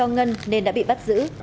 ngân nên đã bị bắt giữ